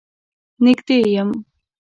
نږدې يم.